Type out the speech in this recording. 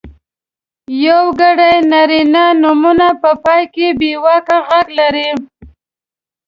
یوګړي نرينه نومونه په پای کې بېواکه غږ لري.